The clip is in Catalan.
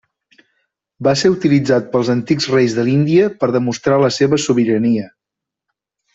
Va ser utilitzat pels antics reis de l'Índia per demostrar la seva sobirania.